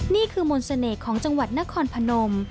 นี่คือมนต์เสน่ห์ของจังหวัดนครพนม